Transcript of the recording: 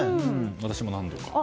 私も何度か。